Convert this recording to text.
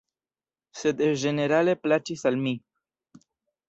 Sed ĝenerale plaĉis al mi.